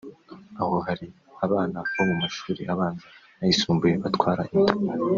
aho hari abana bo mu mashuri abanza n’ayisumbuye batwara inda